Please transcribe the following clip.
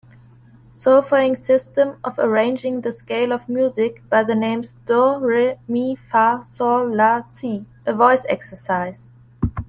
Solfaing system of arranging the scale of music by the names do, re, mi, fa, sol, la, si a voice exercise